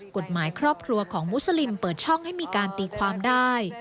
กฎหมายครอบครัวของมุสลิมเปิดช่องให้มีการตีความได้